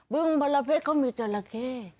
ึงบรเพชรเขามีจราเข้